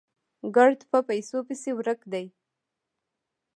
ګړد په پيسو پسې ورک دي